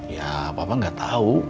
ya papa gak tau